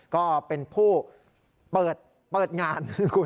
ก็เป็นผู้เปิดงาน